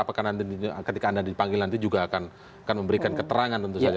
apakah nanti ketika anda dipanggil nanti juga akan memberikan keterangan tentu saja